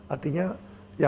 artinya ya ini satu budaya